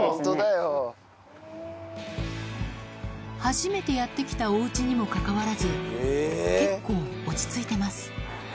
初めてやって来たお家にもかかわらず結構落ち着いてます